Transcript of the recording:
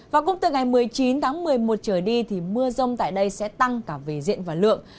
và cũng từ ngày một mươi chín tháng một mươi một trở đi thì mưa rông tại đây sẽ tăng cả về diện và lượng